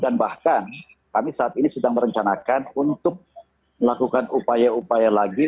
dan bahkan kami saat ini sedang merencanakan untuk melakukan upaya upaya lagi